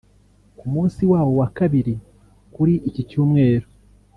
Ku munsi wawo wa kabiri kuri iki Cyumweru